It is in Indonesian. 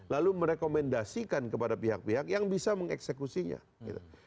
lalu merekomendasikan kepada pihak pihak yang bisa mengeksekusinya gitu